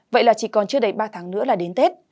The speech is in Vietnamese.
vậy là chỉ còn chưa đầy ba tháng nữa là đến tết